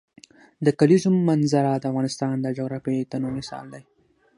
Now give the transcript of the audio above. د کلیزو منظره د افغانستان د جغرافیوي تنوع مثال دی.